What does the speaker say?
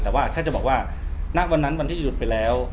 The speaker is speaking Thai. แต่ว่าแค่จะบอกว่าณวันนั้นวันที่จะหยุดไปแล้ว